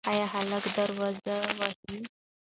ایا هلک دروازه وهي؟